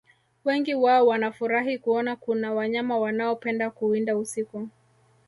Wengi wao wanafurahi kuona kuna wanyama wanaopenda kuwinda usiku